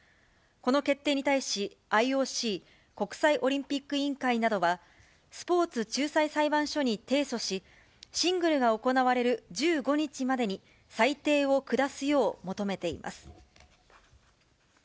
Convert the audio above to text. この決定に対し、ＩＯＣ・国際オリンピック委員会などは、スポーツ仲裁裁判所に提訴し、シングルが行われる１５日までに、裁定を下すよう求めています。